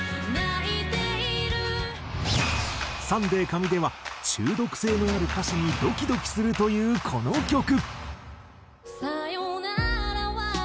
Ｓｕｎｄａｙカミデは中毒性のある歌詞にドキドキするというこの曲。